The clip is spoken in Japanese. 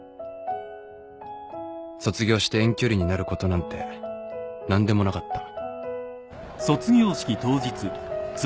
卒業して遠距離になることなんて何でもなかった